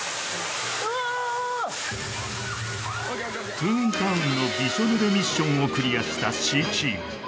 トゥーンタウンのびしょ濡れミッションをクリアしたＣチーム